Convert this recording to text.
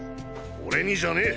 俺にじゃねぇ！